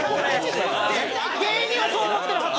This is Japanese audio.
絶対芸人はそう思ってるはず！